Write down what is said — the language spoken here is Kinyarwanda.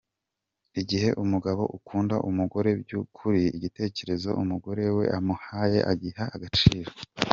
Igihe umugabo ukunda umugore by’ ukuri, igitekerezo umugore we amuhaye agiha agaciro.